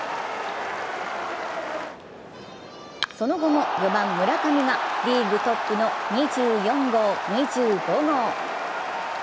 その後も、４番・村上がリーグトップの２４号、２５号。